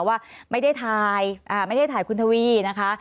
ว่าไม่ได้ถ่ายคุณทวีนะคะ